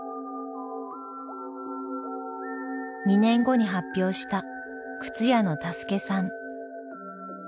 ２年後に発表した「靴屋のタスケさん」。